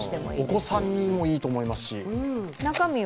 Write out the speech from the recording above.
お子さんにもいいと思いますし。